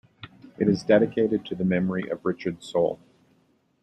It is dedicated to the memory of Richard Sohl.